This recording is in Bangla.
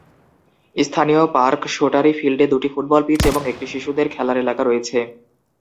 স্থানীয় পার্ক শোটারি ফিল্ডে দুটি ফুটবল পিচ এবং একটি শিশুদের খেলার এলাকা রয়েছে।